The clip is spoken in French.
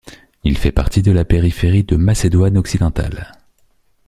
Il fait partie de la périphérie de Macédoine-Occidentale.